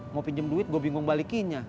mau pinjem duit gue bingung balikinya